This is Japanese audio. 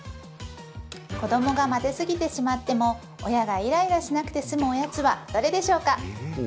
子どもが混ぜすぎてしまっても親がイライラしなくて済むおやつは、どれでしょうか？